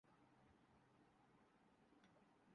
دل کی صفائی کے لیے جد و جہد کرتے رہا کرو